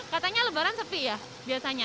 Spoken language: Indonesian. katanya lebaran sepi ya biasanya